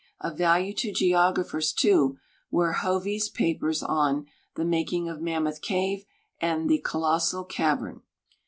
Of value to geographers, too, were Hovey's papers on " The IMaking of Mammoth Cave " and " The Colossal Cavern."